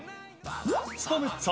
スパメッツァ